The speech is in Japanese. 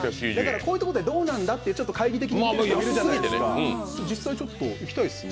こういうところはどうなんだと、ちょっと懐疑的になるじゃないですか。